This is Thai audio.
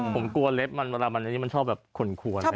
ผมกลัวเล็บมันเวลามันชอบแบบขนควร